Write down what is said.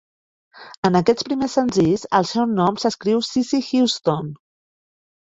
En aquests primers senzills, el seu nom s"escriu Sissie Houston.